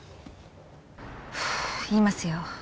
ふう言いますよ。